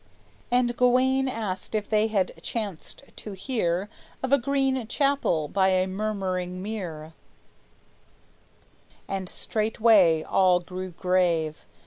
And Gawayne asked if they had chanced to hear Of a Green Chapel by a Murmuring Mere, And straightway all grew grave.